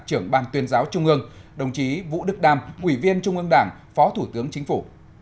trưởng ban tuyên giáo trung ương đồng chí vũ đức đam ủy viên trung ương đảng phó thủ tướng chính phủ